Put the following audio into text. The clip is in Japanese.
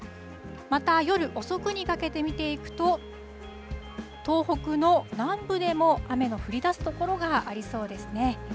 また、夜遅くにかけて見ていくと、東北の南部でも雨の降りだす所がありそうですね。